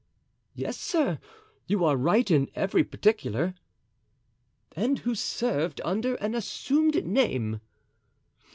"Yes, sir, you are right in every particular!" "And who served under an assumed name?"